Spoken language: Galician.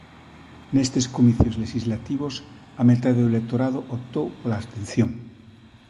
Nestes comicios lexislativos, a metade do electorado optou pola abstención.